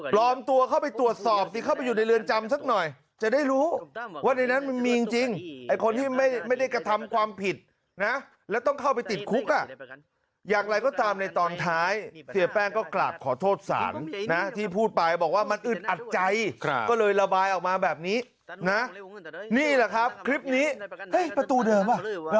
ปลอมตัวเข้าไปตรวจสอบสิเข้าไปอยู่ในเรือนจำสักหน่อยจะได้รู้ว่าในนั้นมันมีจริงไอ้คนที่ไม่ได้กระทำความผิดนะแล้วต้องเข้าไปติดคุกอ่ะอย่างไรก็ตามในตอนท้ายเสียแป้งก็กราบขอโทษศาลนะที่พูดไปบอกว่ามันอึดอัดใจก็เลยระบายออกมาแบบนี้นะนี่แหละครับคลิปนี้ประตูเดิมอ่ะ